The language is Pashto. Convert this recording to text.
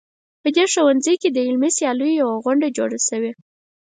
په دې ښوونځي کې د علمي سیالیو یوه غونډه جوړه شوې